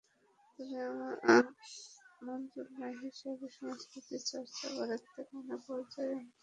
তবে মন্ত্রণালয় হিসেবে সংস্কৃতিচর্চা বাড়াতে নানা পর্যায়ে আমরা কার্যক্রম চালিয়ে যাচ্ছি।